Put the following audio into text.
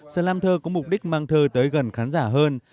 slantur có mục đích mang thơ tới gần khán giả hơn